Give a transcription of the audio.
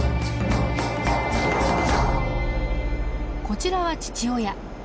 こちらは父親。